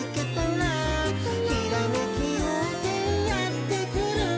「ひらめきようせいやってくる」